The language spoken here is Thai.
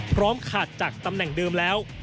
ขาดจากตำแหน่งเดิมแล้ว